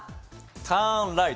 ターンライト。